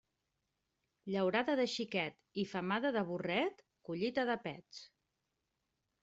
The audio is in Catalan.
Llaurada de xiquet i femada de burret, collita de pets.